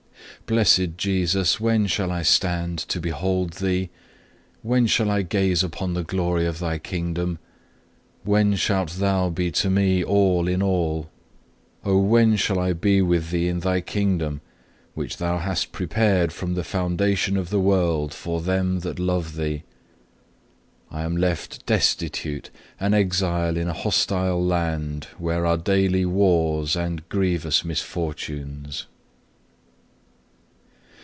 Blessed Jesus, when shall I stand to behold Thee? When shall I gaze upon the glory of Thy kingdom? When shalt Thou be to me all in all? Oh when shall I be with Thee in Thy Kingdom which Thou hast prepared from the foundation of the world for them that love Thee? I am left destitute, an exile in a hostile land, where are daily wars and grievous misfortunes.